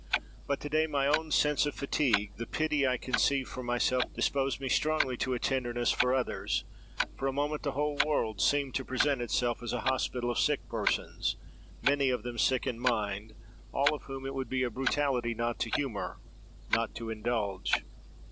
But to day, my own sense of fatigue, the pity I conceive for myself, disposed me strongly to a tenderness for others. For a moment the whole world seemed to present itself as a hospital of sick persons; many of them sick in mind; all of whom it would be a brutality not to humour, not to indulge.